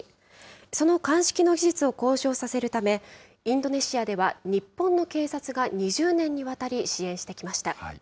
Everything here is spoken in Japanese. その鑑識の技術を向上させるため、インドネシアでは日本の警察が２０年にわたり、支援してきました。